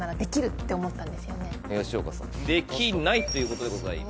吉岡さん「できない」ということでございます。